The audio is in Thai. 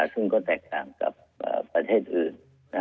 ซึ่งก็แตกต่างกับประเทศอื่น